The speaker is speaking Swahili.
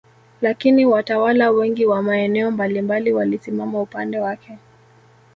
Lakini watawala wengi wa maeneo mbalimbali walisimama upande wake